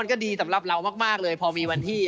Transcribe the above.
ก็ดีสำหรับเรามากเลยพอมีวันที่